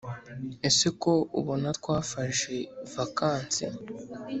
ese ko ubona twafashe vacancy